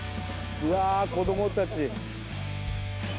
うわ子どもたち。